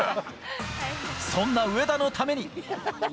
そんな上田のために。